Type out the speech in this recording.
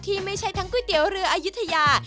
ที่ไม่ใช่ทั้งก๋วยเตี๋ยวเรืออายุทยา